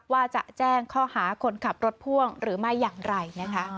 ว่าจะแจ้งข้อหาคนขับรถพ่วงหรือไม่อย่างไรนะคะ